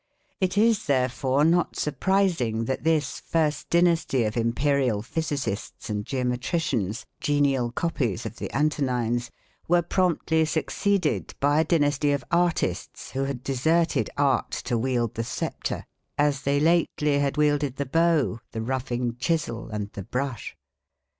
It is, therefore, not surprising that this first dynasty of imperial physicists and geometricians, genial copies of the Antonines, were promptly succeeded by a dynasty of artists who had deserted art to wield the sceptre, as they lately had wielded the bow, the roughing chisel, and the brush.